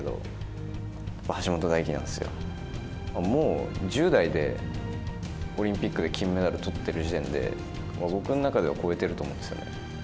もう１０代でオリンピックで金メダルとっている時点で僕の中では超えてると思うんですよね。